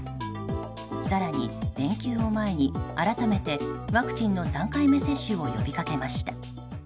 更に、連休を前に改めて、ワクチンの３回目接種を呼びかけました。